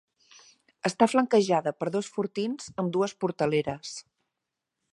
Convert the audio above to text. Està flanquejada per dos fortins amb dues portaleres.